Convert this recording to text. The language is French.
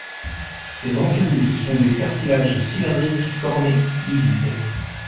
Ces ventouses sont des cartilages cylindriques, cornés, livides.